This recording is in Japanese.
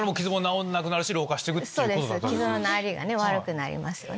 そうです傷の治りが悪くなりますよね。